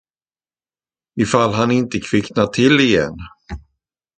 Ifall han inte kvicknar till igen.